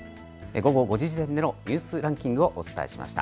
午後５時時点でのニュースランキングをお伝えしました。